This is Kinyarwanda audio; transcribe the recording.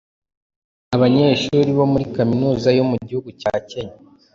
Abanyeshuri bo muri kaminuza yo mu gihugu cya Kenya